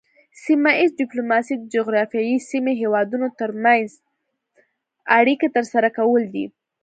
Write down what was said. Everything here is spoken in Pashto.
سیمه ایز ډیپلوماسي د جغرافیایي سیمې هیوادونو ترمنځ اړیکې ترسره کول دي